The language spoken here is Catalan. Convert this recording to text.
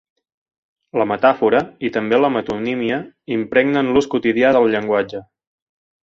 La metàfora -i també la metonímia- impregnen l'ús quotidià del llenguatge.